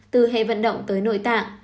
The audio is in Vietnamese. từ hệ vận động tới nội tạng